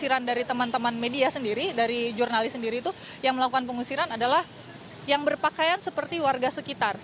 kehadiran dari teman teman media sendiri dari jurnalis sendiri itu yang melakukan pengusiran adalah yang berpakaian seperti warga sekitar